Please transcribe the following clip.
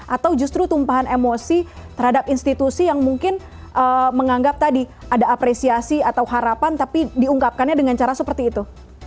atau justru tumpahan emosi terhadap institusi yang mungkin menganggap tadi ada apresiasi atau harapan tapi diungkapkannya dengan cara seperti itu